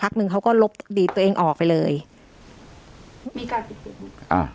พักหนึ่งเขาก็ลบดีตัวเองออกไปเลยมีการปิดเฟซบุ๊กอ่า